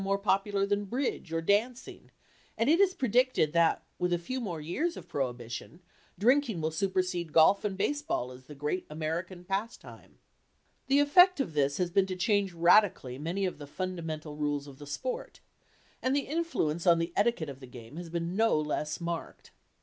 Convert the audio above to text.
In many cities "drinking" has become more popular than "bridge" or dancing and it is predicted that, with a few more years of "prohibition," "drinking" will supersede golf and baseball as the great American pastime. The effect of this has been to change radically many of the fundamental rules of the sport, and the influence on the etiquette of the game has been no less marked.